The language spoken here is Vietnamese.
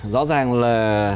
rõ ràng là